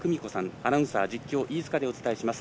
アナウンサー、実況、飯塚でお伝えします。